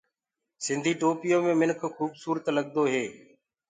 سِنڌي ٽوپيو مي منک کُبسورت لگدو هي۔